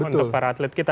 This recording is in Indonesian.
untuk para atlet kita